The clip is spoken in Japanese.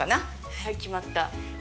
はい、決まった。